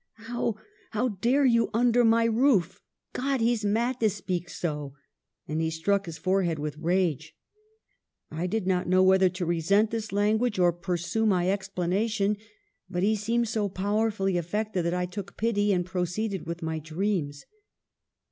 ' How — how dare you, under my roof? God ! he's mad to speak so !' And he struck his forehead with rage. " I did not know whether to resent this lan guage or pursue my explanation ; but he seemed so powerfully affected that I took pity and pro ceeded with my dreams.